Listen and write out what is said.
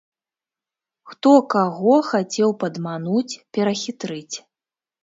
Хто каго хацеў падмануць, перахітрыць.